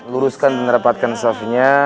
luruskan dan rapatkan safinya